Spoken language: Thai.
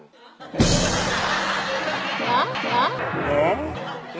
หอบหอบหอบ